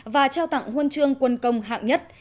và trao tặng huân chương quân công hạng nhất